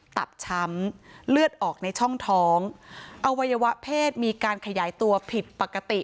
ตับช้ำเลือดออกในช่องท้องอวัยวะเพศมีการขยายตัวผิดปกติ